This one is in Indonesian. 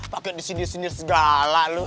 pakai disini sini segala lu